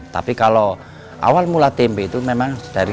tapi kalau awal mula tempe itu memang dari